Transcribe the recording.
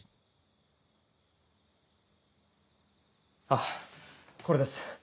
あっこれです。